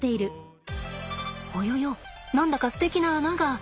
ほよよ何だかすてきな穴が。